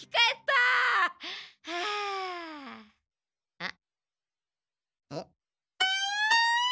あっ！